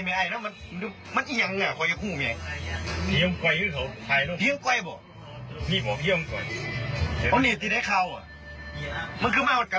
เอาโนะเจ๋งเหมือนกัน